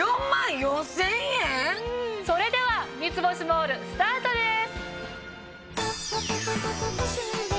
それでは『三ツ星モール』スタートです！